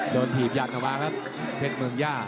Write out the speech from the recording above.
โดนถีบหยัดต่อมาครับเพชรเมืองย่า